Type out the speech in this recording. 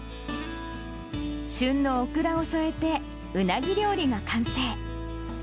旬のオクラを添えて、うなぎ料理が完成。